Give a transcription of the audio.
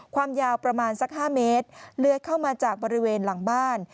ความยาวประมาณสัก๕เมตรเลื้อยเข้ามาจากบริเวณหลังบ้าน